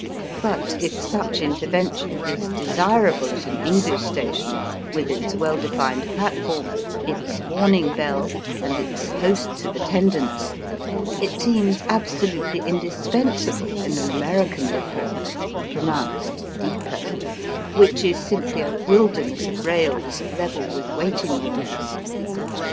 But if such intervention is desirable at an EngUsh station, with its well defined platform, its warning bell, and its hosts of attendants, it seems absolutely indispensable in an American depot (pronounced deepo), which is simply a wilderness of rails level with waiting rooms.